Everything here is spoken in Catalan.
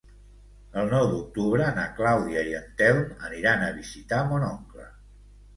El nou d'octubre na Clàudia i en Telm aniran a visitar mon oncle.